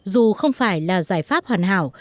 dù không phải là giải pháp hoàn hảo